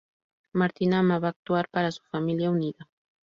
Martin amaba actuar para su familia unida.